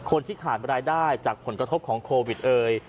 คนที่ขาดรายได้จากผลกระทบของโควิดเอ่ย